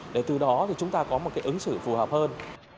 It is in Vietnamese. để từ đó thì chúng ta có một cái ứng xử phù hợp hơn